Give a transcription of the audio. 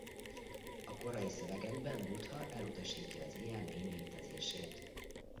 A korai szövegekben Buddha elutasítja egy ilyen lény létezését.